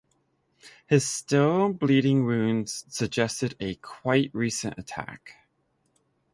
His still-bleeding wounds suggested a quite recent attack.